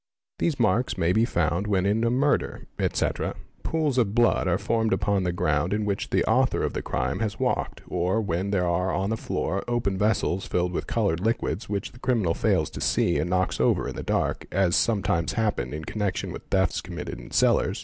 These marks may be found when in a murder, etc., pools 'of blood are formed upon the ground in which the author of the crime has walked or when there are on the floor open vessels filled with coloured iquids which the criminal fails to see and knocks over in the dark as sometimes happen in connection with thefts committed in cellars.